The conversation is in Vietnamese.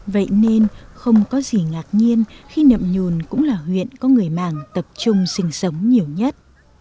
vậy nên không có gì ngạc nhiên khi nậm nhùn cũng là huyện có người mạng tập trung sinh sống nhiều nhất